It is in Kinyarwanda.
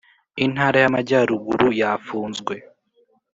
Intara yamajyaruguru yafunzwe